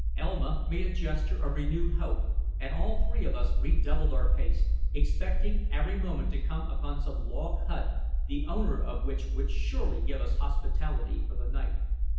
Elma made a gesture of renewed hope, and all three of us redoubled our pace, expecting every moment to come upon some log hut, the owner of which would surely give us hospitality for the night.